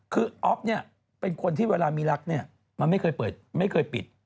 คืออ๊อฟเป็นคนที่เวลามีรักมันไม่เคยปิด